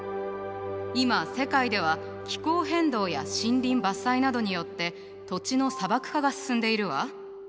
今世界では気候変動や森林伐採などによって土地の砂漠化が進んでいるわ。